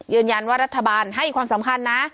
ยืนยันว่ารัฐบาลให้ความสำคัญนะ